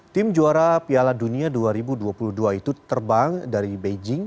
tim juara piala dunia dua ribu dua puluh dua itu terbang dari beijing